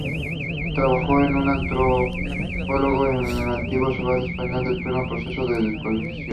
Trabajó como antropólogo en el antiguo Sahara español en pleno proceso de descolonización.